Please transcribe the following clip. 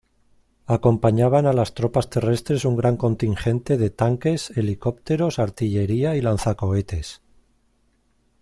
Acompañaban a las tropas terrestres un gran contingente de tanques, helicópteros, artillería y lanzacohetes.